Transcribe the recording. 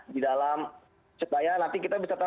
di dalam supaya nanti kita tetap bisa bersama sama